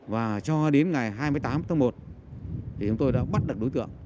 và cho đến ngày hai mươi tám tháng một thì chúng tôi đã bắt được đối tượng